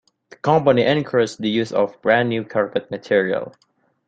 The company encouraged the use of brand new carpet material.